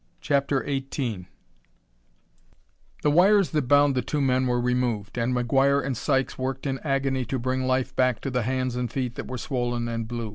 CHAPTER XVIII The wires that bound the two men were removed, and McGuire and Sykes worked in agony to bring life back to the hands and feet that were swollen and blue.